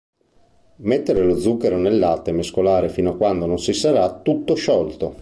Mettere lo zucchero nel latte e mescolare fino a quando si sarà tutto sciolto.